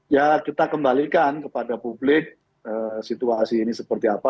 ya kita kembalikan kepada publik situasi ini seperti apa